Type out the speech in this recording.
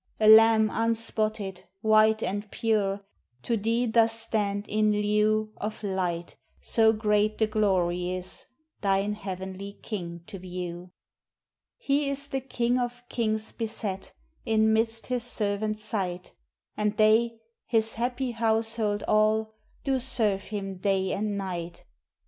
A lamb unspotted, white and pure, To thee doth stand in lieu Of light so great the glory is Thine heavenly king to view. He is the King of kings beset In midst His servants' sight: And they, His happy household all, Do serve Him day and night.